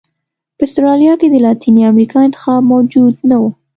په اسټرالیا کې د لاتینې امریکا انتخاب موجود نه و.